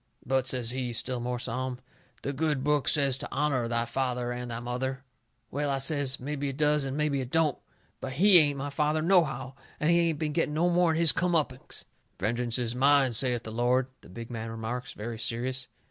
"But," says he, still more solemn, "the good book says to honour thy father and thy mother." "Well," I says, "mebby it does and mebby it don't. But HE ain't my father, nohow. And he ain't been getting no more'n his come uppings." "Vengeance is mine, saith the Lord," the big man remarks, very serious.